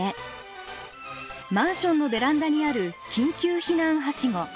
マンションのベランダにある緊急避難はしご。